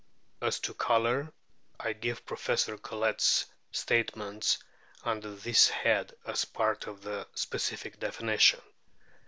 As to colour, I give Professor Collett's statements under this head as a part of the specific definition.